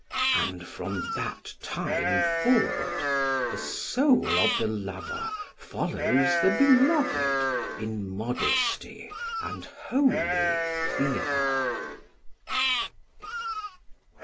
And from that time forward the soul of the lover follows the beloved in modesty and holy fear.